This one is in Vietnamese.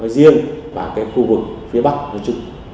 riêng và cái khu vực phía bắc